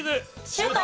シュート！